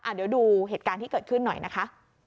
เดี๋ยวดูเหตุการณ์ที่เกิดขึ้นหน่อยนะคะ